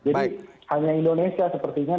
jadi hanya indonesia seperti itu